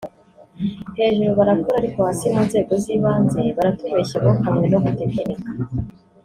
Hejuru barakora ariko hasi (mu nzego z'ibanze) baratubeshya bokamwe no gutekinika